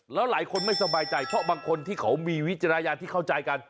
แล้วหลายคนไม่สบายใจเพราะบางคนที่เขามีวิจารณญาณที่เข้าใจกัน